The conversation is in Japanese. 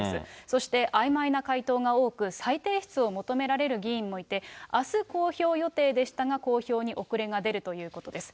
そして、あいまいな回答が多く、再提出を求められる議員もいて、あす公表予定でしたが、公表に遅れが出るということです。